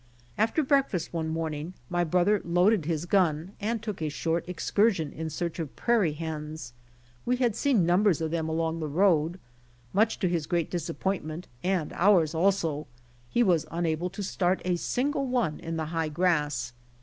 After breakfast one morning, my brother loaded his gun and took a short excursion in search of prairie hens. We had seen numbers of them along the road. Much to his great disappointment and ours also, he was unable to start a single one in the high grass.